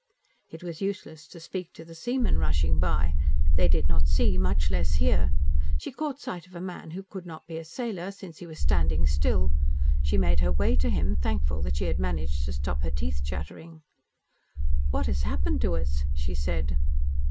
It was useless to speak to the seamen rushing by. They did not see, much less hear! She caught sight of a man who could not be a sailor, since he was standing still. She made her way to him, thankful that she had managed to stop her teeth chattering. "What has happened to us?" she said.